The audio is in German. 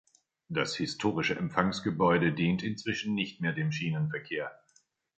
Das historische Empfangsgebäude dient inzwischen nicht mehr dem Schienenverkehr.